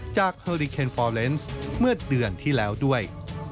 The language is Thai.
เฮอริเคนฟอร์เลนส์เมื่อเดือนที่แล้วด้วย